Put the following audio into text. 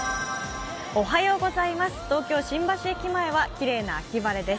東京・新橋駅前はきれいな秋晴れです。